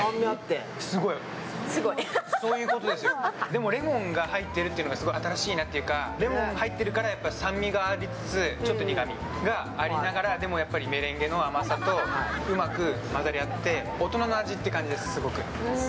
でも、レモンが入っているっていうのが新しいっていうか、レモンが入ってるから酸味がありつつちょっと苦みがありながら、でもやっぱりメレンゲの甘さとうまく合わさって、大人な感じです。